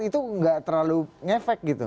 itu nggak terlalu ngefek gitu